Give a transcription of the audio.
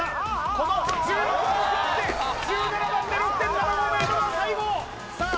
この１６番が決まって１７番で６．７５ｍは最後さあ